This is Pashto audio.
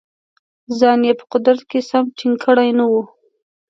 ځان یې په قدرت کې سم ټینګ کړی نه وو.